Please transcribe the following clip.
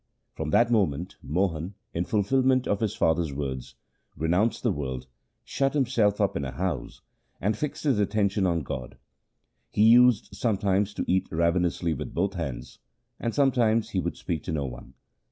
From that moment Mohan, in fulfilment of his father's words, renounced the world, shut himself up in a house, and fixed his attention on God. He used sometimes to eat ravenously with both hands, and sometimes he would speak to no one.